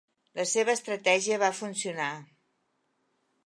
La seva estratègia va funcionar.